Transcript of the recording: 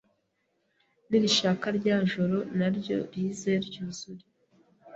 Nirishaka rya joro Naryo rize ryuzure